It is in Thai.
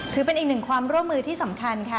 ถือเป็นอีกหนึ่งความร่วมมือที่สำคัญค่ะ